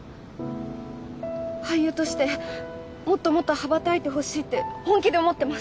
俳優としてもっともっと羽ばたいてほしいって本気で思ってます。